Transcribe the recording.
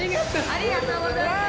ありがとうございます。